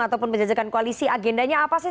ataupun penjajakan koalisi agendanya apa sih